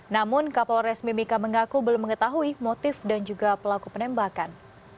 namun kapol resmi mika mengaku belum mengetahui motif dan juga pelaku penembakan